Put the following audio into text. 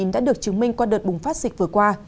đã được chứng minh qua đợt bùng phát dịch vừa qua